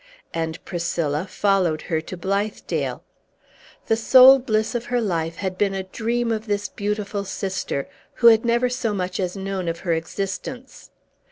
And Priscilla followed her to Blithedale. The sole bliss of her life had been a dream of this beautiful sister, who had never so much as known of her existence.